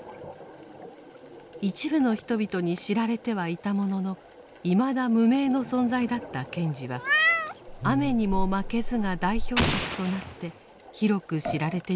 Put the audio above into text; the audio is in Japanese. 一部の人々に知られてはいたもののいまだ無名の存在だった賢治は「雨ニモマケズ」が代表作となって広く知られてゆくようになります。